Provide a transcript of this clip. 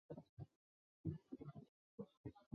叉膜石蛏为贻贝科石蛏属的动物。